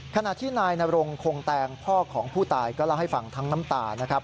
ขณะที่นายนรงคงแตงพ่อของผู้ตายก็เล่าให้ฟังทั้งน้ำตานะครับ